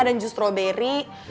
dan jus strawberry